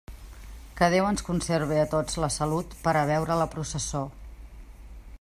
Que Déu ens conserve a tots la salut, per a veure la processó.